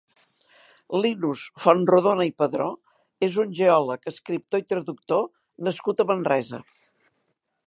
Linus Fontrodona i Padró és un geòleg, escriptor i traductor nascut a Manresa.